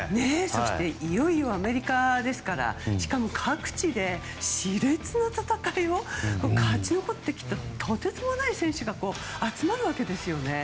そしていよいよアメリカですからしかも、各地で熾烈な戦いを勝ち残ってきたとてつもない選手が集まるわけですよね。